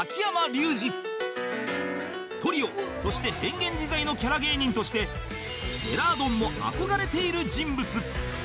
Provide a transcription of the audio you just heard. トリオそして変幻自在のキャラ芸人としてジェラードンの憧れている人物